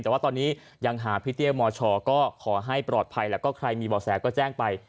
แต่ว่าตอนนี้ยังหาพี่เตี้ยมชก็ขอให้ปลอดภัยแล้วก็ใครมีบ่อแสก็แจ้งไป